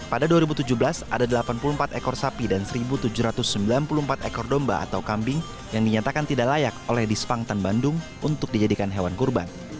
pada dua ribu tujuh belas ada delapan puluh empat ekor sapi dan satu tujuh ratus sembilan puluh empat ekor domba atau kambing yang dinyatakan tidak layak oleh dispangtan bandung untuk dijadikan hewan kurban